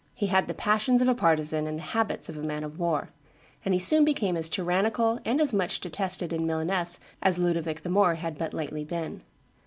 He had the passions of a partisan and the habits of a man of war; and he soon became as tyrannical and as much detested in Milaness as Ludovic the Moor had but lately been.